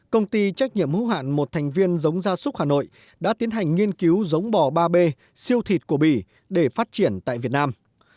công ty trách nhiệm hữu hạn một thành viên giống gia súc hà nội đã tiến hành nghiên cứu giống bò ba b siêu thịt của bỉ để phát triển tại việt nam